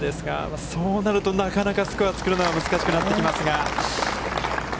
そうなると、なかなかスコアをつくるのは、難しくなってきますが。